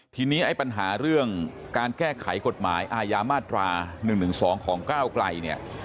ทีนี้ไอ้ปัญหาเรื่องการแก้ไขกฎหมายอาญามาตรา๑๑๒ของก้าวไกลเนี่ย